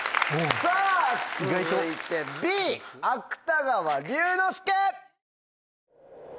さぁ続いてＢ芥川龍之介。